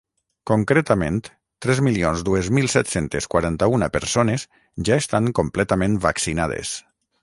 Concretament, tres milions dues mil set-cents quaranta-una persones ja estan completament vaccinades.